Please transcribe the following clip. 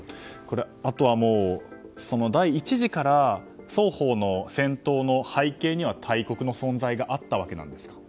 あとは、第１次から双方の戦闘の背景には大国の存在があったわけなんですか。